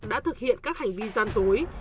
đã thực hiện các hành vi gian dối